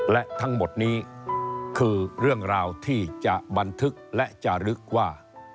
และทั้งหมดนี้คือเรื่องราวที่จะบันทึกและจะลึกว่า